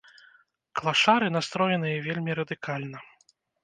Клашары настроеныя вельмі радыкальна.